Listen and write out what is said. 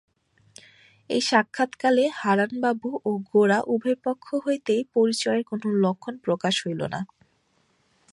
এই সাক্ষাৎকালে হারানবাবু ও গোরা উভয় পক্ষ হইতেই পরিচয়ের কোনো লক্ষণ প্রকাশ হইল না।